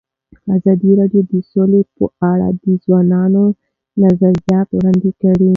ازادي راډیو د سوله په اړه د ځوانانو نظریات وړاندې کړي.